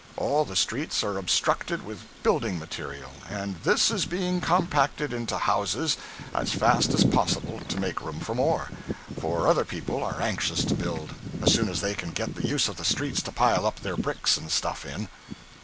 All the streets are obstructed with building material, and this is being compacted into houses as fast as possible, to make room for more for other people are anxious to build, as soon as they can get the use of the streets to pile up their bricks and stuff in.